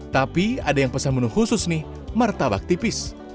tapi ada yang pesan menu khusus nih martabak tipis